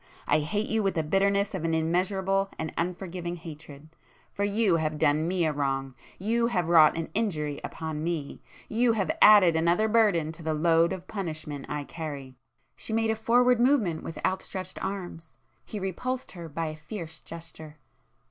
—I hate you with the bitterness of an immeasurable and unforgiving hatred,—for you have done me a wrong,—you have wrought an injury upon me,—you have added another burden to the load of punishment I carry!" She made a forward movement with outstretched arms,—he repulsed her by a fierce gesture.